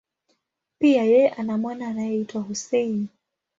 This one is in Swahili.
Pia, yeye ana mwana anayeitwa Hussein.